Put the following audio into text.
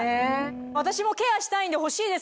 私もケアしたいんで欲しいです